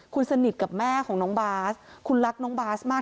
คุณสนิทกับแม่ของน้องบาสคุณรักน้องบาสมาก